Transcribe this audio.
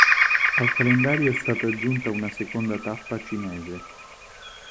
Al calendario è stata aggiunta una seconda tappa cinese.